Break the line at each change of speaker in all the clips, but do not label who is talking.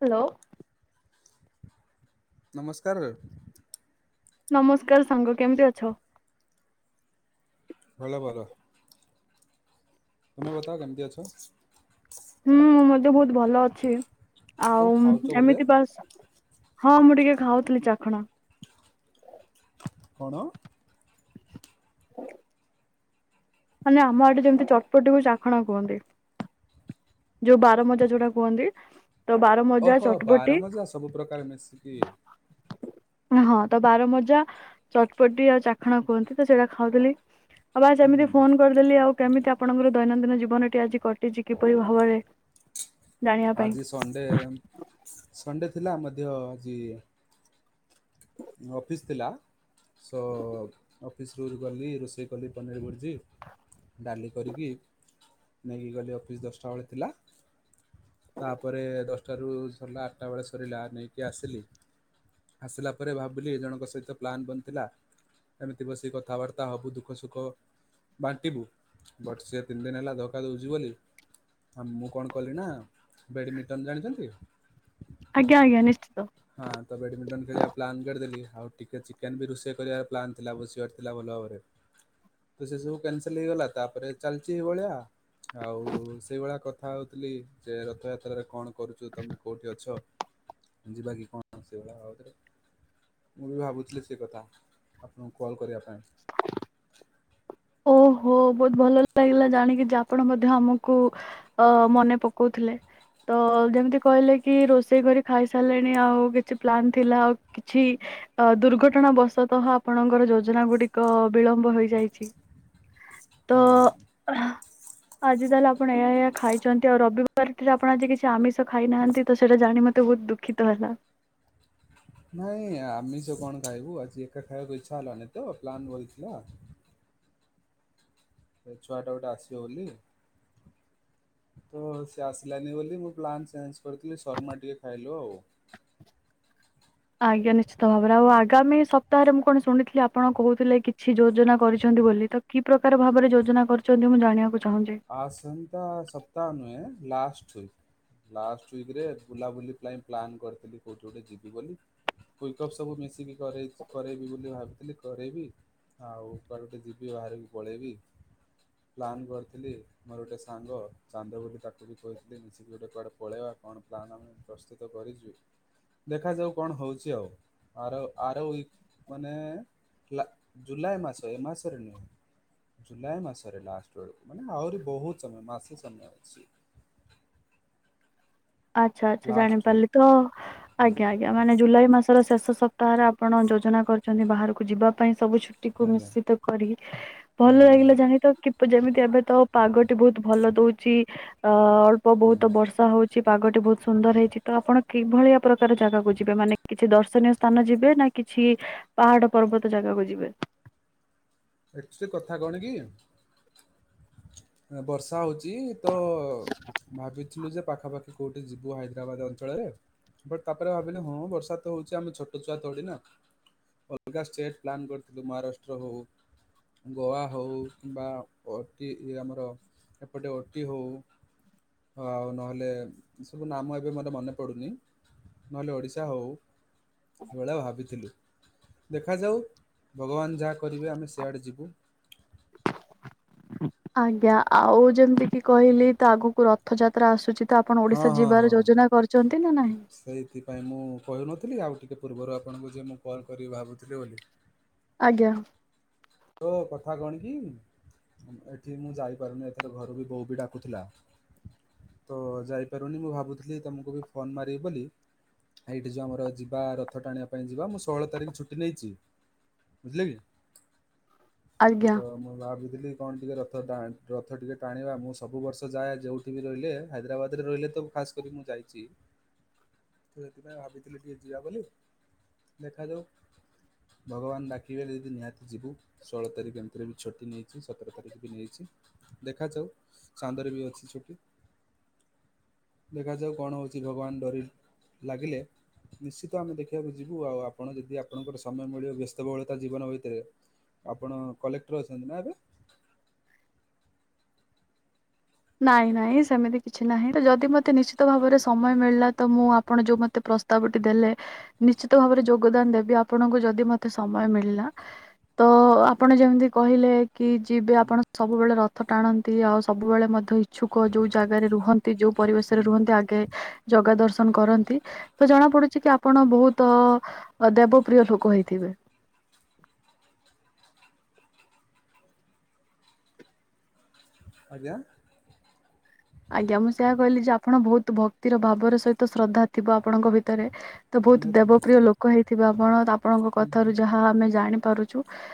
Hello?
ନମସ୍କାର।
ନମସ୍କାର ସାଙ୍ଗ କେମିତି ଅଛ?
ଭଲ ଭର। ତୁମେ ବତାଓ କେମତି ଅଛ?
ହୁଁ ମୁଁ ମଧ୍ୟ ବହୁତ ଭଲ ଅଛି
କଣ
ଆଉ
ଖାଉଛ ବୋଧେ
ଏମିତି ବାସ୍ ହଁ ମୁଁ ଟିକେ ଖାଉଥିଲି ଚାଖଣା।
କଣ?
[inaudible] ମାନେ ଆମ ଆଠେ ଯେମିତି ଚଟପଟିକୁ ଚାଖଣା କୁହନ୍ତି। ଯୋଉ ବାରମଜା ଯୋଉଟା କୁହନ୍ତି ତ ବାରମଜା
ଓହୋ
ଚଟପଟି
ବାରମଜା ସବୁ ପ୍ରକାର ମିଶିକି
ହଁ ତ ବାର ମଜା ଚଟପଟି ଆଉ ଚାଖଣ କୁହନ୍ତି ତ ସେଇଟା ଖାଉଥିଲି ଆଉ ବା
ହୁଁ
ସେମିତି କରିଦେଲି ଆଉ କେମିତି ଆପଣଙ୍କର ଦୈନନ୍ଦିନ ଜୀବନ ଟି ଆଜି କଟିଛି କିପରି ଭାବରେ ଜାଣିବା ପାଇଁ
ଆଜି ସଣ୍ଡେ ସଣ୍ଡେ ଥିଲା ମଧ୍ୟ ଆଜି ଅଫିସ୍ ଥିଲା ସୋ ଅଫିସ ରୁ ଗଲି ରୋଷେଇ କଲି ପନିର ଭୁଡ଼ ଡାଲି କରିକି ନେଇକି ଗଲି ଅଫିସ ଦଶଟା ବେଳେ ଥିଲା। ତାପରେ ଦଶ ସେଠୁ ସରିଲା ଆଠଟା ବେଳେ ସରିଲା ନେଇକି ଆସିଲି ଆସିଲା ଘରେ ଭାବିଲି ଏ ଜଣଙ୍କ ସହିତ ପ୍ଲାନ୍ ବନଥିଲା ଏମିତି ବସିକି କଥାବାର୍ତ୍ତା ହବୁ ଦୁଃଖ ସୁଖ ବାଣ୍ଟିବୁ ବଟ୍ ସେ ତିନି ଦିନ ହେଲା ଧକା ଦଉଛି ବୋଲି ହଁ ମୁଁ କଣ କଲି ନା ବେଡମିଣ୍ଟନ ଜାଣିଛନ୍ତି?
ଆଜ୍ଞା ଆଜ୍ଞା ନିଶ୍ଚିତ।
ହଁ ତ ବ୍ୟାଡମିଣ୍ଟନ ଖେଳିବା ପ୍ଲାନ୍ କରିଦେଲି ଆଉ ଟିକେ ଚିକେନ ବି ରୋଷେଇ କରିବାର ପ୍ଲାନ୍ ଥିଲା ବସିବାର ଥିଲା ଭଲ ଭାବରେ।
ହ [inaudible]
ତ ସେ ସବୁ କ୍ୟାନସଲ ହେଇଗଲା ତାପରେ ଚାଲିଛି ଏଇ ଭଳିଆ ଆଉ ସେଇଭଳିଆ କଥା ହଉଥିଲି ଯେ ରଥଯାତ୍ରାରେ କଣ କରୁଛୁ ତମେ କେଉଠି ଅଛ ଯିବା କି କଣ ସେଭ ଲିଆ ଆଉଥରେ ମୁଁ ବି ଭାବୁଥିଲି ସେ କଥା ଆପଣଙ୍କୁ କଲ୍ କରିବା ପାଇଁ।
ଓହୋ ବହୁତ ଭଲ ଲାଗିଲା ଜାଣିକି ଯେ ଆପଣ ମଧ୍ୟ ଆମକୁ ଅ ମନେ ପକଉଥିଲେ। ତ ଯେମିତି କହିଲେ କି ରୋଷେଇ କରି ଖାଇସାରିଲେଣି ଆଉ କିଛି ପ୍ଲାନ୍ ଥିଲା ଆଉ କିଛି ଅ ଦୁର୍ଘଟଣା ବଶତଃ ଆପଣଙ୍କର ଯୋଜନା ଗୁଡିକ ବିଳମ୍ବ ହୋଇଯାଇଛି।
ହଁ।
ଓ ହା। ଆଜି ତାହେଲେ ଆପଣ ଏହା ଏହାଆ ଖାଇଛନ୍ତି, ଆଉ ରବିବାର ରେ ଆପଣ ଆଜି କିଛି ଆମିଷ ଖାଇନାହାନ୍ତି, ତ ସେଇଟା ଜାଣି ମୋତେ ବହୁତ ଦୁଃଖ ଖିତ ହେଲା।
ନାଇଁ ଆମିଷ କଣ ଖାଇବୁ ଆଜି ଏକା ଖାଇବାକୁ ଇଚ୍ଛା ହେଲାନି ତ ପ୍ଲାନ୍ ରହିଥିଲା। ସେଭ୍ଛୁଆ ଟା ଗୋଟେ ଆସିବ ବୋଲି। ତ ସେ ଆସିଲାନି ବୋଲି ମୁଁ ପ୍ଲାନ୍ ଚେଞ୍ଜ କରିଥିଲି ଶର୍ମା ଟିକେ ଖାଇଲୁ ଆଉ।
ଆଜ୍ଞା ନିଶ୍ଚିତ ଭାବରେ ଆଉ ଆଗାମୀ ସପ୍ତାହରେ ମୁଁ କଣ ଶୁଣିଥିଲି ଆପଣ କହୁଥିଲେ କିଛି ଯୋଜନା କରିଛନ୍ତି ବୋଲି ତ କି ପ୍ରକାର ଭାବରେ ଯୋଜନା କରିଛନ୍ତି ମୁଁ ଜାଣିବାକୁ ଚାହୁଁଛି?
ଆସନ୍ତା ସପ୍ତାହ ନୁହେଁ ଲାଷ୍ଟ ଉଇକ୍। ଲାଷ୍ଟ ୱିକରେ ବୁଲାବୁଲି ପାଇଁ ପ୍ଲାନ୍ କରିଥିଲି କେଉଁଠି ଗୋଟେ ଯିବି ବୋଲି। କୁଇକଅପ୍ ସବୁ ମିଶିକି କରେ କରେଇବି ବୋଲି ଭାବିଥିଲି କରେଇବି। ଆଉ କୁଆଡେ ଗଟେ ଯିବି ବାହାରକୁ ପଳେଇବି ପ୍ଲାନ୍ କରି ଥିଲି। ମୋର ଗୋଟେ ସାଙ୍ଗ ଚାନ୍ଦ ବୋଲି ତାକୁ ବି କହିଥିଲି ମି ଶିକି ଗୋଟେ କୁଆଡେ ପଳେଇବା କଣ ପ୍ଲାନ୍ ଆମେ ପ୍ରସ୍ତୁତ କରିଛୁ, ଦେଖାଯାଉ କଣ ହଉଛି ଆଉ? ଆର ଆର ଉଇକ ମାନେ ଲା ଜୁଲାଇ ମାସ ଏ ମାସରେ ନୁହଁ। ଜୁଲାଇ ମାସରେ ଲାଷ୍ଟକୁ ମାନେ ଆହୁରି ବହୁତ ସମୟ ମାସେ ସମୟ ଅଛି।
ଆଚ୍ଛା ଆଚ୍ଛା ଜାଣି
ଲାଷ୍ଟ
ପାରିଲି
ୱିକ୍
ତ
ହୁଁ
ଆଜ୍ଞା ଆଜ୍ଞା। ମାନେ ଜୁଲାଇ ମାସର ଶେଷ ସପ୍ତାହରେ ଆପଣ ଯୋଜନା କରିଛନ୍ତି ବାହାରକୁ ଯିବା ପାଇଁ ସବୁ ଛୁଟି କୁ
ଆଜ୍ଞା
ମିଶିତ କରି ଭଲ
ଆଜ୍ଞା ଆଜ୍ଞା
ଲାଗିଲା ଜାଣି ତ ଯେମିତି ଏବେ ତ ପାଗଟି ବହୁତ ଭଲ ଦଉଛି ଅ ଅଳ୍ପ
ହଁ
ବହୁତ ବର୍ଷା ହଉ ପାଗଟି ବହୁତ ସୁନ୍ଦର ହେଇଛି ତ ଆପଣ କିଭଳିଆ ପ୍ରକାର ଜାଗା କୁ ଯିବେ ମାନେ କିଛି ଦର୍ଶନୀୟ ସ୍ଥାନ ଯିବେ ନା କିଛି ପାହାଡ ପର୍ବତ ଜାଗାକୁ ଯିବେ?
ଏକ୍ଚୁଆଲି ସେ କଥା କଣ କି ବର୍ଷା ହଉଚି ତ ଭାବିଥିଲୁ ଯେ ପାଖାପାଖି କୋଉଠି ଯିବୁ ହାଇଦ୍ରାବାଦ ଅଞ୍ଚଳରେ? ବଟ ତାପରେ ଭାବିଲେ ହଁ ବର୍ଷା ତ ହଉଛି ଆମେ ଛୋଟଛୁଆ ଥୋଡି ନା ଅଲଗା ଷ୍ଟେଟ୍ ପ୍ଲାନ୍ କରିଥିଲୁ ମହାରାଷ୍ଟ୍ର ହୋଉ। ଗୋଆ ହଉ କିମ୍ବା ଅତି ଇଏ ଆମର ଏପଟେ ଓଟି ହୋଉ। ହଁ ଆଉ ନହେଲେ ସବୁ ନାମ ଏବେ ମୋତେ ମନେ ପଡ଼ୁନି ନହେଲେ ଓଡ଼ିଶା ହଉ। ସେ ଭଳିଆ ଭାବିଥିଲୁ, ଦେଖାଯାଉ ଭଗବାନ ଯାହା କରିବେ ଆମେ ସେଆଡ଼େ ଯିବୁ।
ଆଜ୍ଞା ଆଉ ଯେମିତି କି କହିଲି ତ ଆଗକୁ ରଥଯାତ୍ରା ଆସୁଛି। ତ ଆପଣ
ହଁ
ଓଡିଶା
ହଁ
ଯିବାର
ହଁ
ଯୋଜନା କରିଛନ୍ତି ନା ନାହିଁ?
ସେଇଥିପାଇଁ ମୁଁ କହିହୁନଥିଲି ଆଉ ଟିକଏ ପୂର୍ବରୁ ଆପଣଙ୍କୁ ଯେ ମୁଁ କଲ୍ କରିକି ଭାବୁଥିଲି ବୋଲି।
ଆଜ୍ଞା।
ତ କଥା କଣ କି? ଏଠି ମୁଁ ଯାଇପାରୁନି ଏଥର ଘରୁ ବି ବୋଉ ବି ଡାକୁଥିଲା। ତ ଯାଇପାରୁନି ମୁଁ ଭାବୁଥିଲି ତମକୁ ବି ଫୋନ ମାରିବି ବୋଲି। ଏଇଠି ଯିବ ଆମର ଯିବା ରଥ ଟାଣିବା ପାଇଁ ଯିବା ମୁଁ ଷୋହଳ ତାରିଖ ଛୁଟି ନେଇଛି। ବୁଝିଲେ କି?
ଆଜ୍ଞା।
ସତ ମୁ ଭାବି ଥିଲି। କଣ ଟିକେ ରଥ ଟ ରଥ ଟିକେ ଟାଣିବା ମୁଁ ସବୁ ବର୍ଷ ଯାଏ ଯୋଉଠି ବି ରହିଲେ ହାଇଦ୍ରାବାଦରେ ରହିଲେ ତ ଖାସ୍ କରି ମୁଁ ଯାଇଛି। ତ ସେଥିପାଇଁ ଭାବିଥିଲି ଟିକେ ଯିବା ବୋଲି ଦେଖାଯାଉ ଭଗବାନ ଡ଼ାକିବେ ଯିଦି ନିହାତି ଯିବୁ। ଷୋହଳ ତାରିଖ ଏମିତିରେ ବି ଛୁଟି ନେଇଚି ସତର ତାରିଖ ବି ନେଇଚି। ଦେଖାଯାଉ ଚାନ୍ଦର ବି ଅଛି ଛୁଟି। ଦେଖାଯାଉ କଣ ହଉଚି ଭଗବାନ ଡୋରି ଲାଗିଲେ ନିଶ୍ଚିତ ଆମେ ଦେଖିବାକୁ ଯିବୁ ଆଉ ଆପଣ ଯଦି ଆପଣଙ୍କର ସମୟ ମିଳିବ ବ୍ୟସ୍ତବହୁଳତା ଜୀବନ ଭିତରେ ଆପଣ କଲେକ୍ଟର ଅଛନ୍ତି ନା ଏବେ?
ନାଇଁ ନାଇଁ ସେମିତି କିଛି ନାହିଁ ତ ଯଦି ମୋତେ ନିଶ୍ଚିତ ଭାବରେ ସମୟ ମିଳିଲା ତ ମୁଁ ଆପଣ ଯୋଉ ମତେ ପ୍ର ସ୍ତାବଟି ଦେଲେ ନିଶ୍ଚିତ ଭାବରେ ଯୋଗଦାନ ଦେବି ଆପଣଙ୍କୁ ଯଦି ମତେ ସମୟ ମିଳିଲା ତ ଆପଣ ଯେମିତି କହିଲେ କି ଯିବେ ଆପଣ ସବୁବେଳେ ରଥ ଟାଣନ୍ତି ଆଉ ସବୁବେଳେ ମ ଛୁକ ଯୋଉ ଜାଗାରେ ରୁହନ୍ତି ଯୋଉ ପରିବେଶରେ ରୁହନ୍ତି ଆଗେ ଜଗା ଦର୍ଶନ କରନ୍ତି ତ ଜଣା ପଡୁଚି କି ଆପଣ ବହୁତ ଅ ଦେବପ୍ରିୟ ଲୋକ ହେଇଥିବେ।
ଆଜ୍ଞା।
ଆଜ୍ଞା ମୁଁ ସେଇଆ କହିଲି ଯେ ଆପଣ ବହୁତୁ ଭକ୍ତିର ଭାବର ସହିତ ଶ୍ରଦ୍ଧା ଥିବ ଆପଣଙ୍କ ଭିତରେ। ତ ବହୁତୁ
ନିହାତି ନିହାତି
ଦେବପ୍ରିୟ ଲୋକ ହେଇଥିବେ ଆପଣ ଆପଣଙ୍କ କଥାରୁ ଯାହା ଆମେ ଜାଣିପାରୁ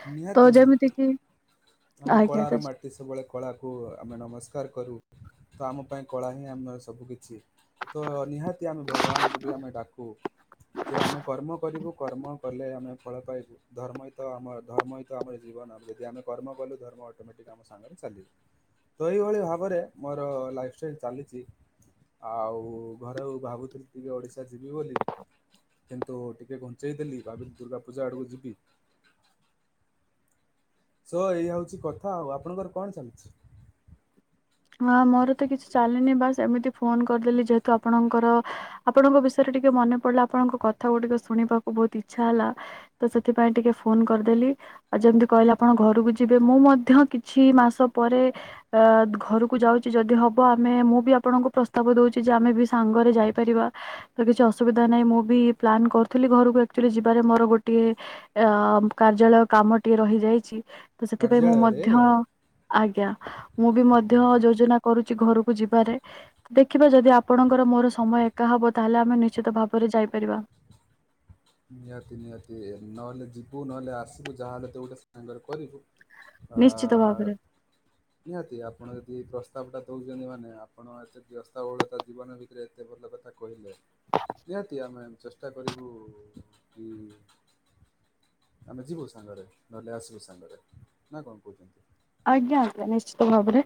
ନିହାତି ନିହାତି ଆମେ
ଆଜ୍ଞା ତ
କଳାର ମା ଟି ସବୁବେଳେ କଳାକୁ ଆମେ ନମସ୍କାର କରୁ ତ ଆମ ପାଇଁ କଳା ହିଁ ଆମର ସବୁ କିଛି। ତ ନିହାତି ଆମେ ଭଗବାନଙ୍କୁ ବି ଆମେ ଡାକୁ ଯେ ଆମେ କର୍ମ କରିବୁ କର୍ମ କଲେ ଆମେ ଫଳ ପାଇବୁ। ଧର୍ମ ହି ତ ଆମ ଧର୍ମ ହି ତ ଆମର ଜୀବନ ଯଦି ଆମେ କର୍ମ କଲୁ ଧର୍ମ ଅଟୋମେଟିକ୍ ଆମ ସାଙ୍ଗରେ ଚାଲିବ। ତ ଏଇଭଳି ଭାବରେ ମୋର ଲାଇଫ୍ ଷ୍ଟାଇଲ ଚାଲିଚି। ଆଉ ଘରେ ଭାବୁଥିଲି ଟିକେ ଓଡିଶା ଯିବି ବୋଲି। କିନ୍ତୁ ଟିକେ ଘୁଞ୍ଚେଇ ଦେଲି ଭାବିଲି ଦୁର୍ଗା ପୂଜା ଆଡକୁ ଯିବି। ଶୋ ଏଇଆ ହଉଚି କଥା ଆଉ ଆପଣଙ୍କର କଣ ଚାଲିଚି?
ହଁ ମୋର ତ କିଛି ଚାଲିନି ବାସ୍ ଏମିତି ଫୋନ୍ କରିଦେଲି ଯେହେତୁ ଆପଣଙ୍କର ଆପଣଙ୍କ ବିଷୟରେ ଟିକେ ମନେ ପଡିଲା ଆପଣଙ୍କ କଥା ଗୁଡିକ ଶୁଣିବାକୁ ବହୁତ ଇଚ୍ଛା ହେଲା ତ ସେଥିପାଇଁ ଟିକେ ଫୋନ୍ କରିଦେଲି। ଆଉ ଯେମିତି କହିଲେ ଆପଣ ଘରୁକୁ ଯିବେ ମୁଁ ମଧ୍ୟ କିଛି ମାସ ପରେ ଅ ଘରୁକୁ ଯାଉଚି ଯଦି ହବ ଆମେ ମୁଁ ବି ଆପଣଙ୍କୁ ପ୍ରସ୍ତାବ ଦଉଚି ଯେ ଆମେ ବି ସାଙ୍ଗରେ ଯାଇପାରିବା। ତ କିଛି ଅସୁବିଧା ନାହିଁ ମୁଁ ବି ପ୍ଲାନ୍ କରୁଥିଲି ଘରୁକୁ ଆକଚୁଲି ଯିବାରେ ମୋର ଗୋଟିଏ ଅ କାର୍ଯ୍ୟାଳୟ କାମ ଟିଏ ରହିଯାଇଚି ତ ସେଥିପାଇଁ ମୁଁ ମଧ୍ୟ
କାର୍ଯ୍ୟାଳୟରେ?
ଆଜ୍ଞା ମୁଁ ବି ମଧ୍ୟ ଯୋଜନା କରୁଚି ଘରୁକୁ ଯିବାରେ ଦେଖିବା ଯଦି ଆ ଆପଣଙ୍କର ମୋର ସମୟ ଏକା ହବ ତାହେଲେ ଆମେ ନିଶ୍ଚିତ ଭାବରେ ଯାଇପାରିବା।
ନିହାତି ନିହାତି ନହେଲେ ଯିବୁ ନହେଲେ ଆସିବୁ ଯାହାହେଲେ ତ ଗୋଟେ ସାଙ୍ଗରେ କରିବୁ। ଆ
ନିଶ୍ଚିତ ଭାବରେ
ନିହାତି ଆପଣ ଯଦି ପ୍ରସ୍ତାବ ଟା ଦଉଚନ୍ତି ମାନେ ଆପଣ ଏତେ ବ୍ୟସ୍ତ ବହୁଳତା ଜୀବନ ଭି ତିରେ ଏତେ ଭଲ କଥା କହିଲେ ନିହାତି ଆମେ ଚେଷ୍ଟା କରିବୁ [unintelligible] ଆମେ ଯିବୁ ସାଙ୍ଗରେ ନହେଲେ ଆସିବୁ ସାଙ୍ଗରେ ନା କଣ କଉଚନ୍ତି?
ଆଜ୍ଞା ଆଜ୍ଞା ନିଶ୍ଚିତ ଭାବରେ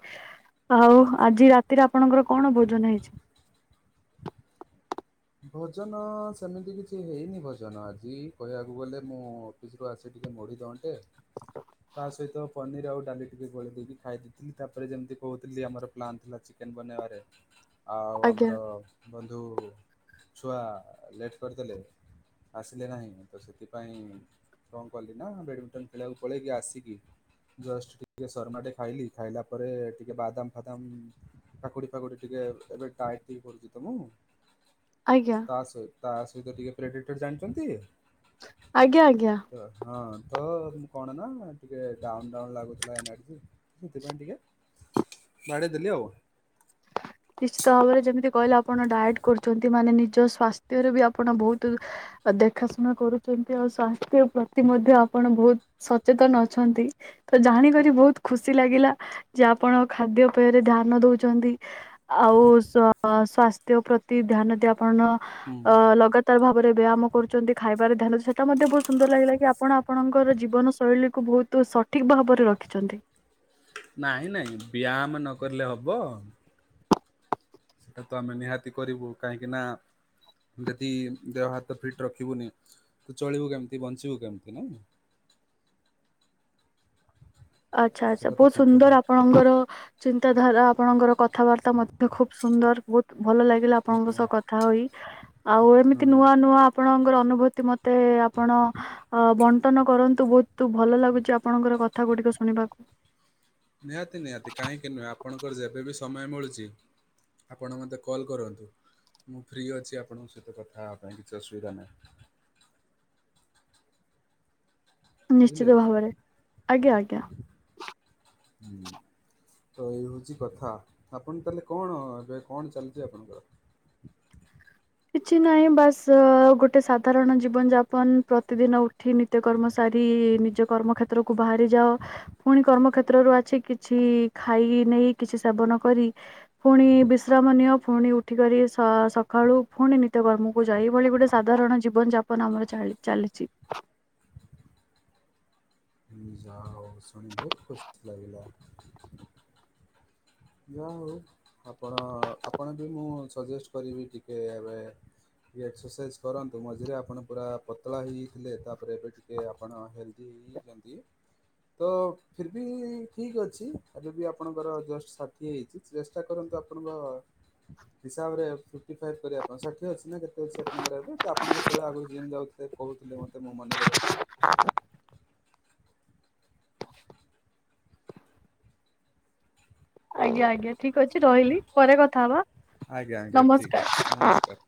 ଆଉ ଆଜି ରାତିରେ ଆପଣଙ୍କର କଣ ଭୋଜନ ହେଇଛି?
ଭୋଜନ ସେମିତି କିଛି ହେଇନି ଭୋଜନ ଆଜି କହିବାକୁ ଗଲେ ମୁଁ ଅଫିସ ରୁ ଆସେ ଟିକି ମୋଡ଼ି ଦିଅନ୍ତେ। ତା ସହିତ ପନିର ଆଉ ଡାଲି ଟିକେ ଗୋଳେଇ ଦେଇକି ଖାଇ ଦେଇଥିଲି ତାପରେ ଯେମିତି କଉଥିଲି ଆମର ପ୍ଲାନ୍ ଥିଲା ଚି କେନ ବାନେଇବାରେ
[inaudible]
ଆଉ
ଆଜ୍ଞା
ଆମର ବନ୍ଧୁ ଛୁଆ ଲେଟ୍ କରିଦେଲେ। ଆସିଲେ ନାହିଁ ତ ସେଥିପାଇଁ କଣ କଲି ନା ବ୍ୟାଡମିଣ୍ଟନ ଖେଳିବାକୁ ପଳେଇକି ଆସିକି ଜଷ୍ଟ ଟିକେ ସର୍ମାଟେ ଖାଇଲି ଖାଇଲା ପରେ ଟିକେ ବାଦାମ ଫାଦାମ କାକୁଡି ଫାକୁଡି ଟିକେ ଏବେ ଡାଏଟ ଟିକେ କରୁଚି ତ ମୁଁ।
ଆଜ୍ଞା।
ଆସେ ତା ସହିତ ଟିକେ ପ୍ରେଡ଼ିକ୍ଟର ଜାଣିଚନ୍ତି।
ଆଜ୍ଞା ଆଜ୍ଞା।
ତ ହଁ ତ କଣ ନା ଟିକେ ଡାଉନ୍ ଡାଉନ୍ ଲାଗୁଥିଲା [unintelligible] ସେଥିପାଇଁ ଟିକେ ବାଡେଇ ଦେଲି ଆଉ।
ନିଶ୍ଚିତ ଭାବରେ ଯେମିତି କହିଲେ ଆପଣ ଡାଏଟ୍ କରୁଚନ୍ତି ମାନେ ନିଜ ସ୍ୱାସ୍ଥ୍ୟର ବି ଆପଣ ବୋହୁତୁ ଆ ଦେଖାଶୁଣା କରୁଛନ୍ତି ଆଉ ସ୍ୱାସ୍ଥ୍ୟ ପ୍ରତି ମଧ୍ୟ ଆପଣ ବୋହୁତ ସଚେତନ ଅଛନ୍ତି ତ ଜାଣିକରି ବୋହୁତ ଖୁସି ଲାଗିଲା। ଯେ ଆପଣ ଖାଦ୍ୟ ପେୟରେ ଧ୍ୟାନ ଦୋଉଚନ୍ତି। ଆଉ ସ୍ଵା ସ୍ଵାସ୍ଥ୍ୟ ପ୍ରତି ଧ୍ୟାନ ଦେ ଆପଣ
ହୁଁ
ଅ ଲଗା [unintelligible] ଭାବରେ ବ୍ୟାୟାମ କରୁଚନ୍ତି ଖାଇବାରେ ଧ୍ୟାନ ସେଟା ମଧ୍ୟ ବୋହୁତ ସୁନ୍ଦର ଲାଗିଲା କି ଆପଣ ଆପଣଙ୍କର ଜୀବଶୈଳୀକୁ ବୋହୁ ତୁ ସଠିକ ଭାବରେ ରଖିଛନ୍ତି।
ନାହିଁ ନାଇଁ ବ୍ୟାୟାମ ନକରିଲେ ହବ। ସେଟା ତ ଆମେ ନିହାତି କରିବୁ କାହିଁକି ନା। ଯଦି ଦେହ ହାତ ଫିଟ୍ ରଖିବୁନି ତ ଚଳିବୁ କେମିତି ବଞ୍ଚିବୁ କେମିତି ନାଇଁ। [inaudible]
ଆଚ୍ଛା ଆଚ୍ଛା
ସେଟା ତ
ବୋହୁତ
ଠିକ କଥା।
ସୁନ୍ଦର ଆପଣଙ୍କର ଚିନ୍ତାଧାରା ଆପଣଙ୍କର କଥାବାର୍ତ୍ତା ମଧ୍ୟ ଖୁବ ସୁନ୍ଦର ବୋହୁତ ଭଲ ଲାଗିଲା ଆପଣଙ୍କ ସହ କଥା ହୋଇ। ଆଉ ଏମିତି
ହୁଁ
ନୂଆ ନୂଆ ଆପଣଙ୍କର ଅନୁଭୂତି ମତେ ଆପଣ ଅ ବଣ୍ଟନ କରନ୍ତୁ ବୋହୁତୁ ଭଲ ଲାଗୁଚି ଆପଣଙ୍କର କଥା ଗୁଡିକ ଶୁଣିବାକୁ।
ନିହାତି ନିହାତି କାହିଁକି ନୁହେଁ ଆପଣଙ୍କର ଯେବେବି ସମୟ ମିଳୁଚି ଆପଣ ମତେ କଲ୍ କରନ୍ତୁ। ମୁଁ ଫ୍ରି ଅଛି ଆପଣଙ୍କ ସହିତ କଥା ହବା ପାଇଁ କିଛି ଅସୁବିଧା ନାହିଁ। ବୁଝିଲେ
ନିଶ୍ଚିତ ଭାବରେ ଆଜ୍ଞା ଆଜ୍ଞା।
ହୁଁ। ତ ଏଇ ହୋଉଚି କଥା ଆପଣ ତାହେଲେ କଣ ଏବେ କଣ ଚାଲିଚି ଆପଣଙ୍କର।
କିଛି ନାହିଁ ବାସ୍ ଗୋଟେ ସାଧାରଣ ଜୀବନ ଯାପ ପନ୍ ପ୍ରତିଦିନ ଉଠି ନିତ୍ୟ କର୍ମ ସାରି ନିଜ କର୍ମକ୍ଷେତ୍ରକୁ ବାହାରିଯାଅ। ପୁଣି କର୍ମକ୍ଷେତ୍ରରୁ ଆଛି କି ଛି ଖାଇ ନେଇ କିଛି ସେବନ କରି ଫୁଣି ବିଶ୍ରାମ ନିଅ ଫୁଣି ଉ ଠି କରି ସ ସଖାଳୁ ଫୁଣି ନିତ୍ୟକର୍ମକୁ ଯା ଏଇଭଳି ଗୋଟେ ସାଧାରଣ ଜୀବନ ଯାପନ ଆମର ଚାଳି ଚାଲିଚି।
ହୁଁ ଯା ହୋଉ ଶୁଣି ବୋହୁତ ଖୁସି ଲାଗିଲା। ଯାହା ହୋଉ ଆପଣ ଆପଣ ବି ମୁଁ ସଜେଷ୍ଟ କରିବି ଟିକେ ଏବେ ଟିକେ ଏକ୍ସରସାଇଜ୍ କରନ୍ତୁ ମଝିରେ ଆପଣ ପୁରା ପତଳା ହେଇଯାଇଥିଲେ ତାପରେ ଏବେ ଟିକେ ଆପଣ ହେଲ୍ଦୀ [unintelligible] ତ ଫିର୍ ବି ଠିକ ଅଛି ଆଉ ଯଦି ଆପଣଙ୍କର ଜଷ୍ଟ ସା [unintelligible] ହେଇଚି ଚେଷ୍ଟା କରନ୍ତୁ ଆପଣଙ୍କ ହିସାବରେ [unintelligible] ଷାଠିଏ ଅଛି ନା କେତେ ଅଛି ଆପଣଙ୍କର ଏବେ ତ ଆପଣ ଯେତୋବୋଳେ ଆଗୁରୁ ଜିମ୍ ଯାଉଥିଲେ କୋହୁଥୁଲେ ମତେ ମୁଁ ମନେ ରଖିଛି।
ଆଜ୍ଞା ଆଜ୍ଞା ଠିକ ଅଛି ରହିଲି ପରେ କଥା ହବା
ଆଜ୍ଞା ଆଜ୍ଞା ଠିକ୍ ଅଛି
ନମସ୍କାର।
ନମସ୍କାର।